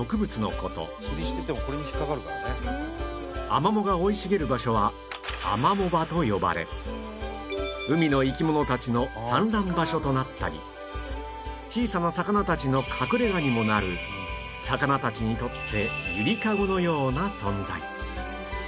アマモが生い茂る場所はアマモ場と呼ばれ海の生き物たちの産卵場所となったり小さな魚たちの隠れ家にもなる魚たちにとってゆりかごのような存在